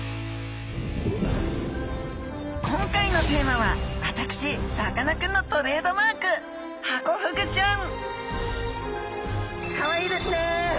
今回のテーマは私さかなクンのトレードマークハコフグちゃん！